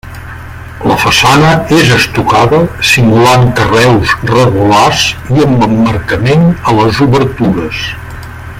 La façana és estucada simulant carreus regulars i amb emmarcament a les obertures.